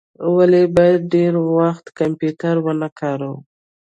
ولي باید ډیر وخت کمپیوټر و نه کاروو؟